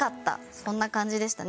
そんな感じでしたね。